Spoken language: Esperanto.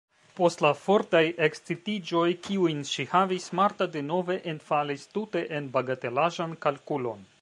Post la fortaj ekscitiĝoj, kiujn ŝi havis, Marta denove enfalis tute en bagatelaĵan kalkulon.